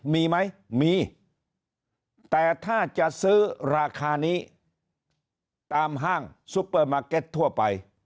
มีไหมมีแต่ถ้าจะซื้อราคานี้ตามห้างซุปเปอร์มาร์เก็ตทั่วไป